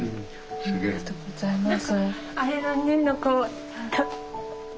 ありがとうございます。